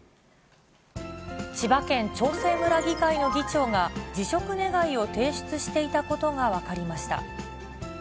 千葉県長生村議会の議長が、辞職願を提出していたことが分かりました。